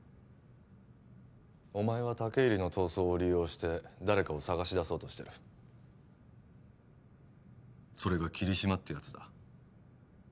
お前は武入の逃走を利用して誰かを捜し出そうとしてるそれが桐島ってやつだ